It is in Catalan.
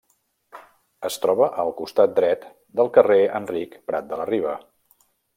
Es troba al costat dret del carrer Enric Prat de la Riba.